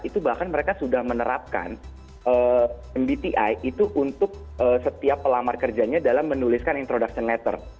itu bahkan mereka sudah menerapkan mbti itu untuk setiap pelamar kerjanya dalam menuliskan introduction letter